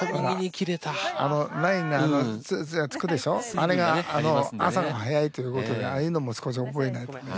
あれが朝が早いということでああいうのも少し覚えないとね。